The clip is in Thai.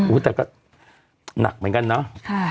แต่ก็หนักเหมือนกันเนาะ